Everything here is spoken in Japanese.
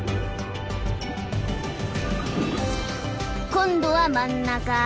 「今度は真ん中。